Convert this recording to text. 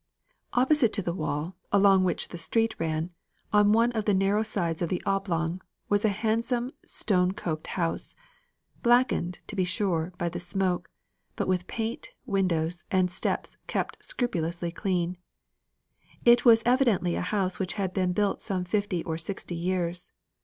Opposite to the wall, along which the street ran, on one of the narrow sides of the oblong, was a handsome stone coped house, blackened, to be sure, by the smoke, but with paint, windows, and steps kept scrupulously clean. It was evidently a house which had been built some fifty or sixty years.